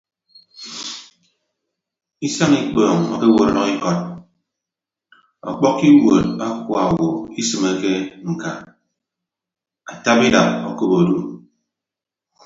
Isañ ikpọọñ okowot udʌkikọt ọkpọkkọ iwuot akuaowo isịmeke ñka ataba idap okop odu.